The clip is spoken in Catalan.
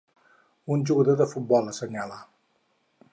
un jugador de futbol assenyala.